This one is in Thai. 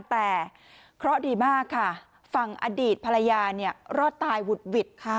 แต่เคราะห์ดีมากค่ะฝั่งอดีตภรรยาเนี่ยรอดตายหุดหวิดค่ะ